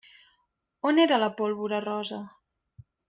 On era la pólvora rosa?